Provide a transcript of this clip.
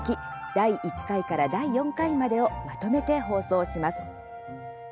第１回から第４回までをまとめて放送します。